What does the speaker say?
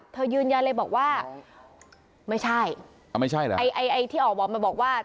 เธอยืนยันเลยบอกว่าไม่ใช่ไม่ใช่หรอไอที่ออกบอกมาบอกว่า